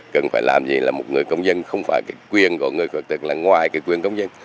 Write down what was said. cần phải làm gì là một người công dân không phải cái quyền của người khuyết tật là ngoài cái quyền công dân